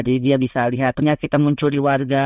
jadi dia bisa lihat penyakit yang muncul di warga